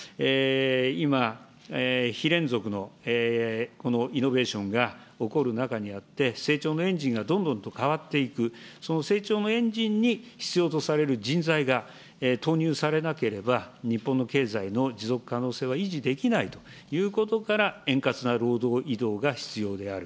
今、非連続のこのイノベーションが起こる中にあって、成長のエンジンがどんどんと変わっていく、その成長のエンジンに必要とされる人材が投入されなければ、日本の経済の持続可能性は維持できないということから、円滑な労働移動が必要である。